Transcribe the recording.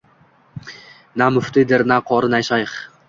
Na muftiydir na qori na shayx